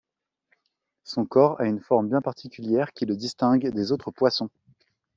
Son corps à une forme bien particulière qui le distingue des autres poissons.